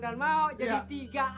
kalo komandan mau jadi tiga arab